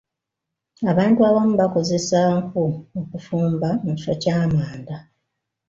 Abantu abamu bakozesa nku okufumba mu kifo ky'amanda.